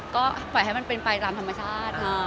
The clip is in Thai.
ก็ปล่อยให้มันเป็นไปตามธรรมชาติ